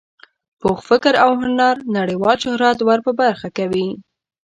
پوخ فکر او هنر نړیوال شهرت ور په برخه کوي.